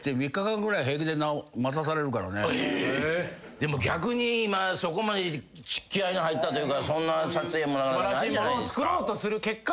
でも逆にそこまで気合の入ったというかそんな撮影もないじゃないですか。